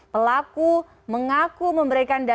pelaku mengaku memberikan daging kucing